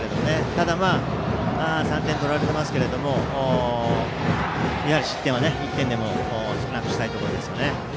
ただ、３点取られていますが失点は１点でも少なくしたいところです。